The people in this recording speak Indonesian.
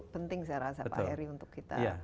penting saya rasa pak eri untuk kita